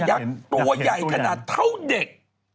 ักษ์ตัวใหญ่ขนาดเท่าเด็ก